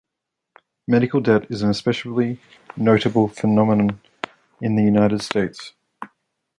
Medical debt is an especially notable phenomenon in the United States.